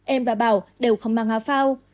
em và bảo đều không mang áo phao